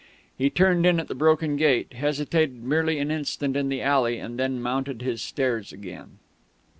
He turned in at the broken gate, hesitated merely an instant in the alley, and then mounted his stairs again.